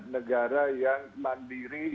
negara yang mandiri